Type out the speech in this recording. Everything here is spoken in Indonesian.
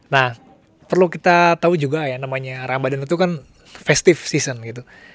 nah perlu kita tahu juga ya namanya ramadhan itu kan festive season gitu